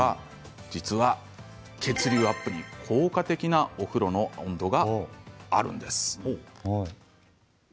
実は血流アップに効果的なお風呂の温度があるんです。